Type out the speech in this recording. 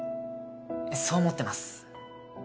そう思ってます。